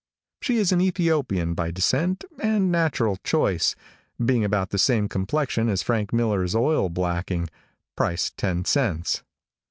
She is an Ethiopian by descent and natural choice, being about the same complexion as Frank Miller's oil blacking, price ten cents.